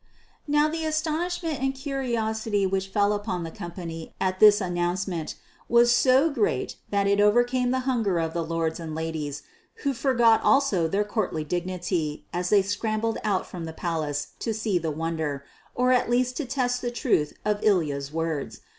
Now the astonishment and curiosity which fell upon the company at this announcement was so great that it overcame the hunger of the lords and ladies, who forgot also their courtly dignity as they scrambled out from the palace to see the wonder, or at least to test the truth of Ilya's words.